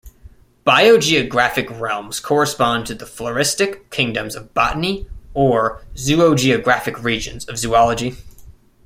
Biogeographic realms correspond to the floristic kingdoms of botany or zoogeographic regions of zoology.